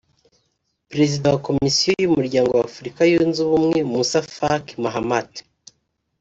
Perezida wa Komisiyo y’Umuryango wa Afurika Yunze Ubumwe Moussa Faki Mahamat